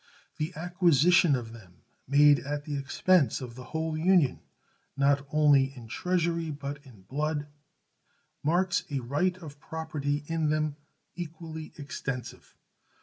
The acquisition of them, made at the expense of the whole Union, not only in treasury but in blood, marks a right of property in them equally extensive.